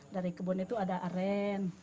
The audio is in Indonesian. dari kebun itu ada aren